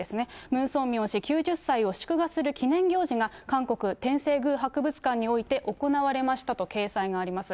ムン・ソンミョン氏９０歳を祝賀する記念行事が、韓国・天正宮博物館において行われましたと掲載があります。